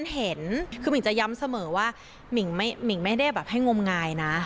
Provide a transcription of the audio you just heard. เห็นคือหมิ่งจะย้ำเสมอว่าหมิ่งไม่ได้แบบให้งมงายนะ